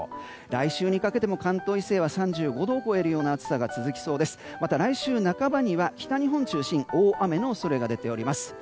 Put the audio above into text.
来週にかけても関東以西は３５度を超えるような暑さがまた来週半ばには北日本中心大雨の恐れが出ております。